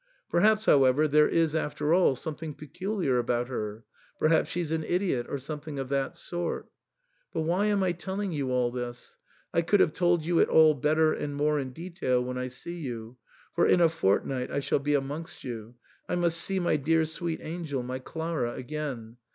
Perhaps, however, there is after all some thing peculiar about her ; perhaps she's an idiot or something of that sort But why am I telling you all this ? I could have told you it all better and more in detail when I see you. For in a fortnight I shall be amongst you. I must see my dear sweet angel, my Clara, again.